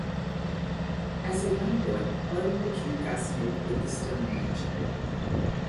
As a young boy, Harding became fascinated with the Stone Age.